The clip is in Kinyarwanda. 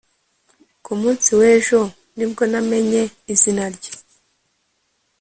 ku munsi w'ejo ni bwo namenye izina rye